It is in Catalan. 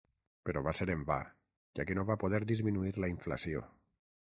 Però va ser en va, ja que no va poder disminuir la inflació.